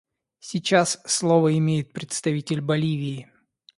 Сейчас слово имеет представитель Боливии.